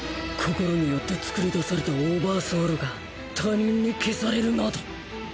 心によって作り出されたオーバーソウルが他人に消されるなど